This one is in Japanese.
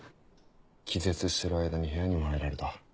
気絶してる間に部屋にも入られた。